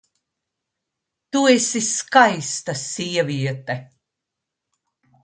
Tu esi Skaista Sieviete!